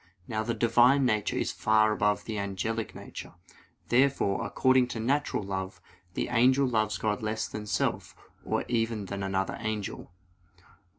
Now the Divine nature is far above the angelic nature. Therefore, according to natural love, the angel loves God less than self, or even than another angel.